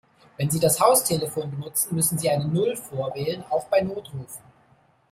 Wenn Sie das Haustelefon benutzen, müssen Sie eine Null vorwählen, auch bei Notrufen.